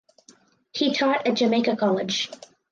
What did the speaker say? He taught at Jamaica College.